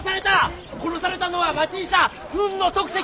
殺されたのは町医者海野得石！